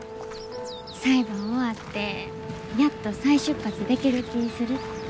裁判終わってやっと再出発できる気ぃするって。